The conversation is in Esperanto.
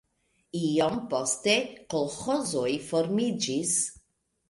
Iom poste kolĥozoj formiĝis.